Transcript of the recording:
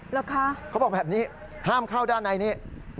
เหรอคะเขาบอกแบบนี้ห้ามเข้าด้านในนี้